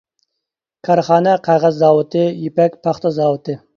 كارخانا قەغەز زاۋۇتى، يىپەك پاختا زاۋۇتى.